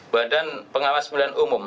badan pengawas pemilihan umum